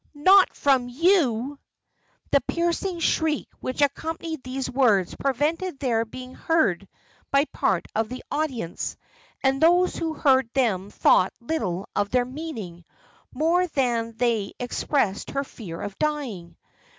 not from you!" The piercing shriek which accompanied these words prevented their being heard by part of the audience; and those who heard them thought little of their meaning, more than that they expressed her fear of dying.